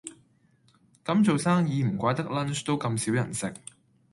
咁做生意唔怪得 lunch 都咁少人食